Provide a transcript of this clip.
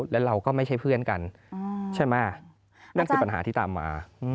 แล้วเราก็ไม่ใช่เพื่อนกันใช่ไหมนั่นคือปัญหาที่ตามมา